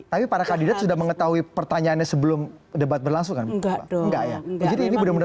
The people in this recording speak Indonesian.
tapi para kandidat sudah mengetahui pertanyaannya sebelum debat tersebut